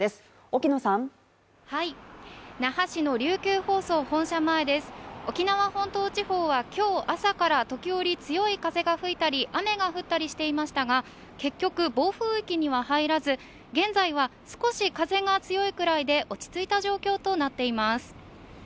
沖縄本島地方は今日朝から時折、強い風が吹いたり雨が降ったりしていましたが結局、暴風域には入らず現在は少し風が強いくらいで落ち着いた状況となっています。